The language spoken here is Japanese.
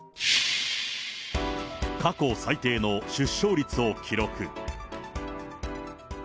過去最低の出生率を記録。